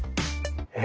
え